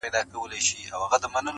• که مُلایان دي که یې چړیان دي,